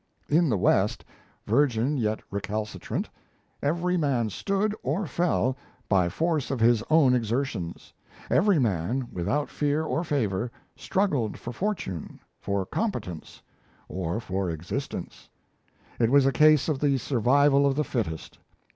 In the West, virgin yet recalcitrant, every man stood or fell by force of his own exertions; every man, without fear or favour, struggled for fortune, for competence or for existence. It was a case of the survival of the fittest.